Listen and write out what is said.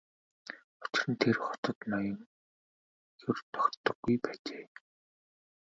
Учир нь тэр хотод ноён ер тогтдоггүй байжээ.